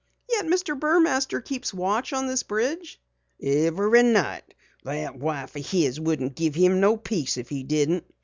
"Yet Mr. Burmaster keeps watch of the bridge?" "Every night. That wife of his wouldn't give him no peace if he didn't."